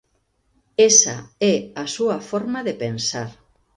Esa é a súa forma de pensar.